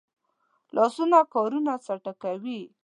لاسونه کارونه چټکوي